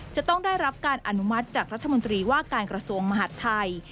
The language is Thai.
จะต้องได้รับการอนุมัติจากรัฐมนตรีว่าการกระทรวงมหาดไทย